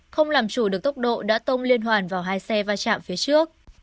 không làm chủ được tốc độ đã tông liên hoàn vào hai xe va chạm phía trước